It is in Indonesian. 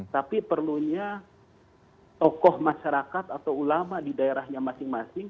tapi perlunya tokoh masyarakat atau ulama di daerahnya masing masing